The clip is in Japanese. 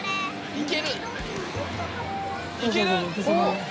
いける！